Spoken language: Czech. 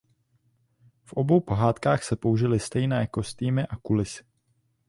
V obou pohádkách se použily stejné kostýmy a kulisy.